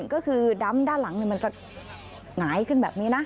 ก็คือดำด้านหลังมันจะหงายขึ้นแบบนี้นะ